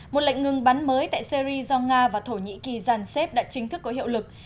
một lệnh ngừng bắn mới tại syri do nga và thổ nhĩ kỳ giàn xếp đã chính thức có hiệu lực